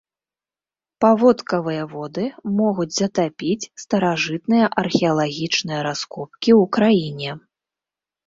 Паводкавыя воды могуць затапіць старажытныя археалагічныя раскопкі ў краіне.